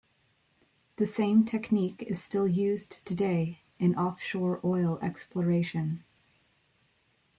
The same technique is still used today in offshore oil exploration.